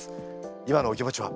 今のお気持ちは？